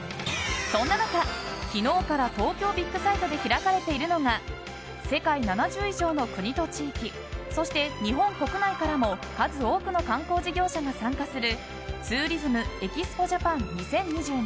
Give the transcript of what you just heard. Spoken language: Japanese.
そんな中、昨日から東京ビッグサイトで開かれているのが世界７０以上の国と地域そして日本国内からも数多くの観光事業者が参加するツーリズムＥＸＰＯジャパン２０２２。